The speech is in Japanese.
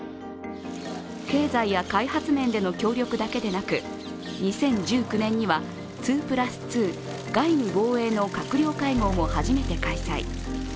経済や開発面での協力だけでなく２０１９年には２＋２＝外務・防衛の閣僚会合も始めて開催。